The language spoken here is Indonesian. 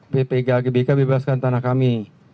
ppk gbk bebaskan tanah kami